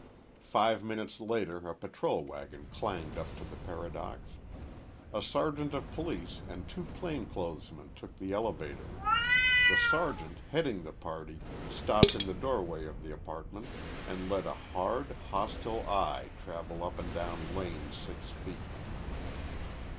Five minutes later a patrol wagon clanged up to the Paradox. A sergeant of police and two plainclothes men took the elevator. The sergeant, heading the party, stopped in the doorway of the apartment and let a hard, hostile eye travel up and down Lane's six feet.